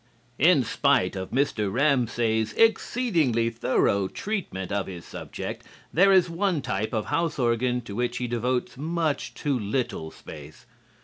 In spite of Mr. Ramsay's exceedingly thorough treatment of his subject, there is one type of house organ to which he devotes much too little space.